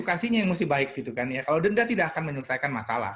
kasihnya yang mesti baik gitu kan ya kalau denda tidak akan menyelesaikan masalah